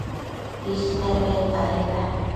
Ismec bedcadenda